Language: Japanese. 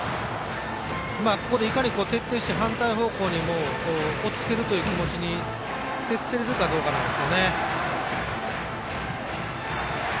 ここでいかに徹底して反対方向におっつけるという気持ちに徹せれるかどうかですね。